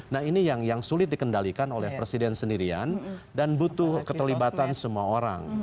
nah ini yang sulit dikendalikan oleh presiden sendirian dan butuh keterlibatan semua orang